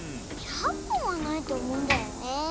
１００ぽんはないとおもうんだよねえ。